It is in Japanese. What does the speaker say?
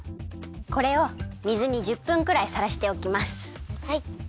これを水に１０分くらいさらしておきます。